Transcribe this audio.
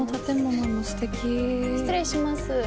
失礼します。